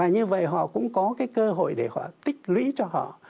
như vậy họ cũng có cái cơ hội để họ tích lũy cho họ